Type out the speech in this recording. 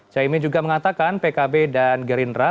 cain min juga mengatakan pkb dan gerindra